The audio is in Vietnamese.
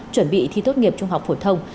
chuẩn bị thi tốt nghiệp trung học phổ thông